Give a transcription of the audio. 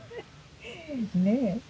ねえ。